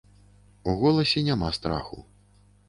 У голасе няма страху.